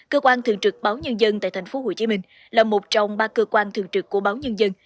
cơ quan thường trực báo nhân dân tại tp hcm là một trong ba cơ quan thường trực của báo nhân dân